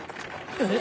えっ。